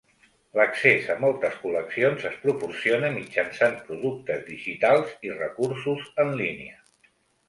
L'accés a moltes col·leccions es proporciona mitjançant productes digitals i recursos en línia.